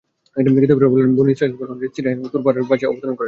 কিতাবীরা বলেন, বনী ইসরাঈলগণ সিনাইয়ের তূর পাহাড়ের পাশেই অবতরণ করেন।